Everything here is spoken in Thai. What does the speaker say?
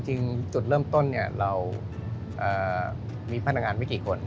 จริงจุดเริ่มต้นเรามีพนักงานไม่กี่คน